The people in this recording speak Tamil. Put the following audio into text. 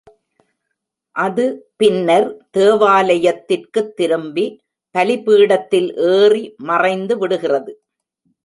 அது பின்னர் தேவாலயத்திற்குத் திரும்பி, பலிபீடத்தில் ஏறி மறைந்து விடுகிறது.